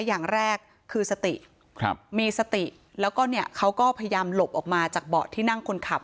อย่างแรกคือสติมีสติแล้วก็เนี่ยเขาก็พยายามหลบออกมาจากเบาะที่นั่งคนขับ